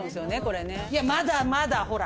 いやまだまだほら。